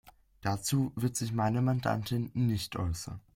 Dazu wird sich meine Mandantin nicht äußern.